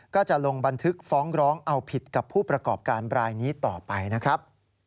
ก็จะลงบันทึกฟ้องร้องเอาผิดกับผู้ประกอบการรายนี้ต่อไปนะครับ